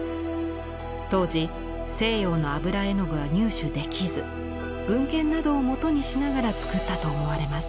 当時西洋の油絵の具は入手できず文献などを元にしながら作ったと思われます。